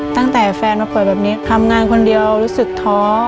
แฟนมาเปิดแบบนี้ทำงานคนเดียวรู้สึกท้อ